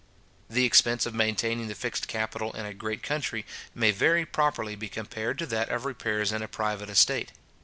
The expense of maintaining the fixed capital in a great country, may very properly be compared to that of repairs in a private estate.